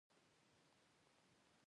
د عقد او لغوه کولو لپاره رضایت اړین دی.